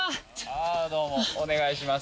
ああどうもお願いします。